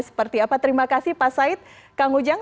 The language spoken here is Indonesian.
seperti apa terima kasih pak said kang ujang